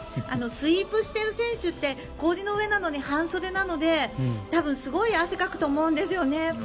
スイープしている選手って氷の上なのに半袖なので、多分すごい汗をかくと思うんですね。